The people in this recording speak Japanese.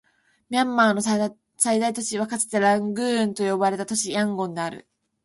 ミャンマーの最大都市はかつてラングーンと呼ばれた都市、ヤンゴンである